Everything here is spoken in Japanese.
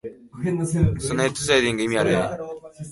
そのヘッドスライディング、意味ある？